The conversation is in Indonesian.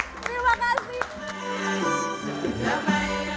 hahaha terima kasih